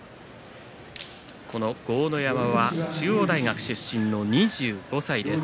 この豪ノ山は中央大学出身の２５歳です。